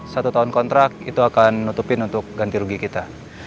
satu tahun kontrak itu akan nutupin untuk ganti rugi kita